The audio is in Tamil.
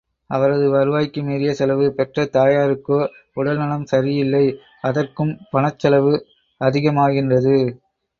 அவரது வருவாய்க்கு மீறிய செலவு, பெற்ற தாயாருக்கோ உடல் நலம் சரியில்லை, அதற்கும் பணச் செலவு அதிகமாகின்றது.